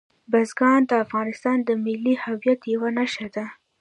بزګان د افغانستان د ملي هویت یوه نښه ده.